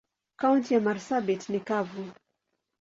Kaunti ya marsabit ni kavu.